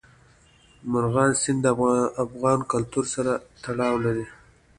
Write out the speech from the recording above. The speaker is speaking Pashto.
مورغاب سیند د افغان کلتور سره تړاو لري.